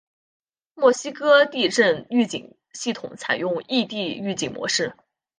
墨西哥地震预警系统采用异地预警模式。